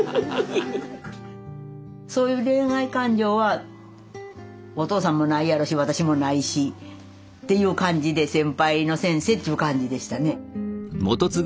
そういう恋愛感情はお父さんもないやろうし私もないしっていう感じで先輩の先生っていう感じでしたね。